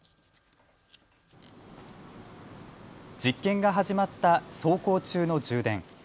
実験が始まった走行中の充電。